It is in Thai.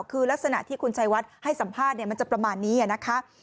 คือลักษณะที่คุณชัยวัดให้สัมภาษณ์มันจะประมาณนี้นะคะ